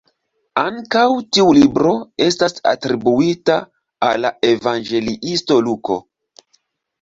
Ankaŭ tiu libro estas atribuita al la evangeliisto Luko.